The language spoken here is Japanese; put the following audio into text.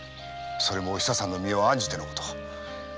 それもおひささんの身を案じての事。